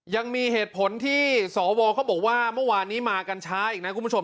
ยังมีเหตุผลที่สวเขาบอกว่าเมื่อวานนี้มากันช้าอีกนะคุณผู้ชม